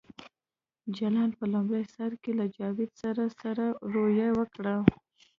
جلان په لومړي سر کې له جاوید سره سړه رویه وکړه